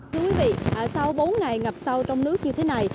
thưa quý vị sau bốn ngày ngập sâu trong nước như thế này